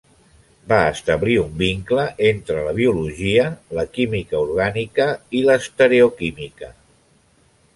Va establir un vincle entre la biologia, la química orgànica i l'estereoquímica.